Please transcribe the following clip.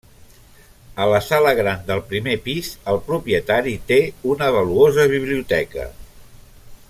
A la sala gran del primer pis, el propietari té una valuosa biblioteca.